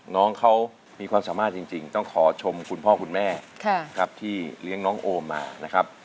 น้องเขามีความสามารถจริงต้องขอชมคุณพ่อคุณแม่ครับที่เลี้ยงน้องโอมมานะครับ